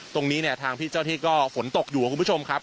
ตรงนี้เนี่ยทางพี่เจ้าที่ก็ฝนตกอยู่คุณผู้ชมครับ